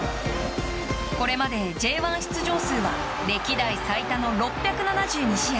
これまでＪ１出場数は歴代最多の６７２試合。